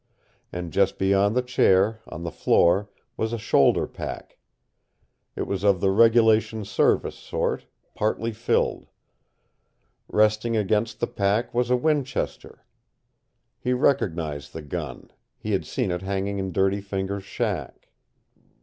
And just beyond the chair, on the floor, was a shoulder pack. It was of the regulation service sort, partly filled. Resting against the pack was a Winchester. He recognized the gun. He had seen it hanging in Dirty Fingers' shack.